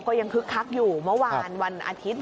คึกคักอยู่เมื่อวานวันอาทิตย์